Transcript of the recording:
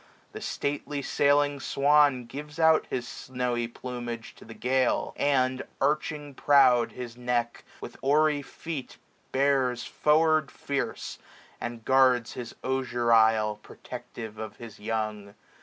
The stately sailing swan 775 Gives out his snowy plumage to the gale ; And, arching proud his neck, with oary feet Bears forward fierce, and guards his osier isle. Protective of his young.